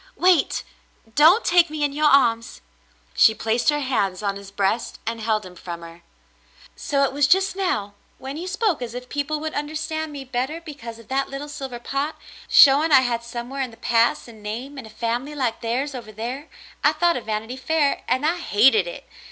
Wait ! Don't take me in your arms." She placed her hands on his breast and held him from her. "So it was just now — when you spoke as if people would understand me better because of that little silver pot, showing I had somewhere in the past a name and a family like theirs over there — I thought of 'Vanity Fair,' and I hated it.